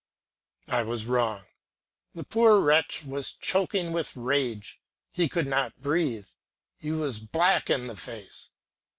I was wrong, the poor wretch was choking with rage, he could not breathe, he was black in the face.